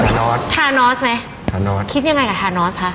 นอสทานอสไหมทานอสคิดยังไงกับทานอสคะ